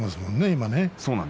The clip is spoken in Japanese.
今ね。